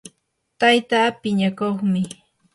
tayta piñakuqmi